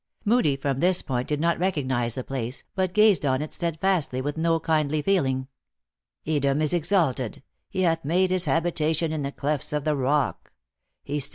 Moodie from this point did not recognize the place, but gazed on it steadfastly, with no kindly feeling. " Edom is exalted. He hath made his habitation in the clefts of the rock. He 252 THE ACTRESS IN HIGH LIFE.